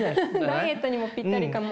ダイエットにもぴったりかも。